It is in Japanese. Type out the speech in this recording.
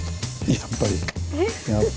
やっぱりか。